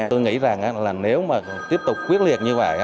tôi nghĩ rằng là nếu mà tiếp tục quyết liệt như vậy